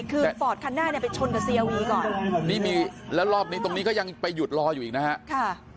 คือฟอร์ดคันหน้าเนี่ยไปชนกับเซียวีก่อนนี่มีแล้วรอบนี้ตรงนี้ก็ยังไปหยุดรออยู่อีกนะฮะค่ะ